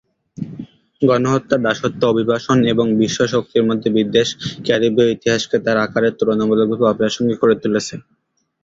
গণহত্যা, দাসত্ব, অভিবাসন এবং বিশ্ব শক্তির মধ্যে বিদ্বেষ ক্যারিবীয় ইতিহাসকে তার আকারের তুলনামূলকভাবে অপ্রাসঙ্গিক করে তুলেছে।